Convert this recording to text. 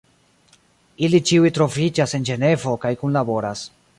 Ili ĉiuj troviĝas en Ĝenevo kaj kunlaboras.